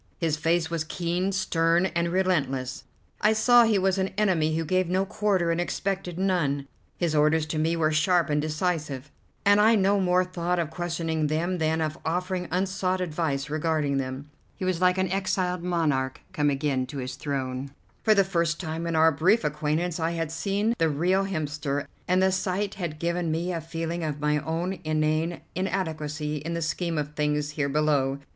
His face was keen, stern, and relentless; I saw he was an enemy who gave no quarter and expected none. His orders to me were sharp and decisive, and I no more thought of questioning them than of offering unsought advice regarding them. He was like an exiled monarch come again to his throne; for the first time in our brief acquaintance I had seen the real Hemster, and the sight had given me a feeling of my own inane inadequacy in the scheme of things here below.